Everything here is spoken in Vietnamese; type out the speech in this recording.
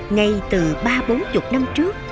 ngay từ ba bốn mươi năm trước